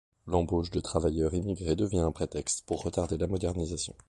L'embauche de travailleurs immigrés devient un prétexte pour retarder la modernisation.